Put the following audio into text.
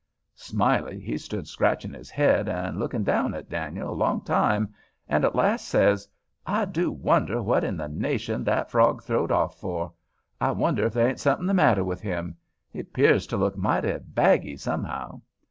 Smiley he stood scratching his head and looking down at Dan'l a long time, and at last says, "I do wonder what in the nation that frog throwed off for—I wonder if there ain't something the matter with him—he 'pears to look mighty baggy, somehow."